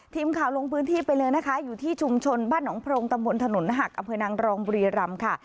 ทีมข่าวลงพื้นที่ไปเลยนะคะอยู่ที่ชุมชนบ้านหนองพรงตำบลถนนหักอำเภอนางรองบุรีรำค่ะ